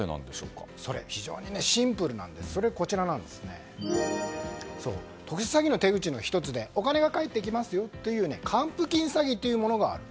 その理由はシンプルで特殊詐欺の手口の１つでお金が返ってきますよという還付金詐欺というものがある。